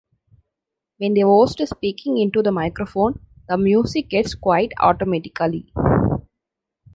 When the host is speaking into the microphone, the music gets quiet automatically.